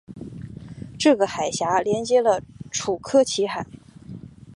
这个海峡连接了楚科奇海。